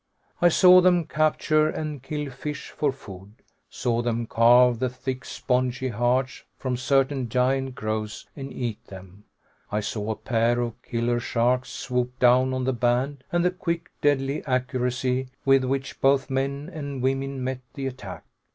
I saw them capture and kill fish for food, saw them carve the thick, spongy hearts from certain giant growths and eat them. I saw a pair of killer sharks swoop down on the band, and the quick, deadly accuracy with which both men and woman met the attack.